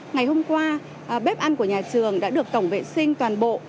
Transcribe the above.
ngày hôm qua bếp ăn của nhà trường đã được tổng vệ sinh toàn bộ